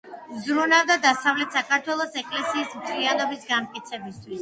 ზრუნავდა დასავლეთ საქართველოს ეკლესიის მთლიანობის განმტკიცებისათვის.